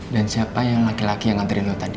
dan siapa yang laki laki yang ngantri lo tadi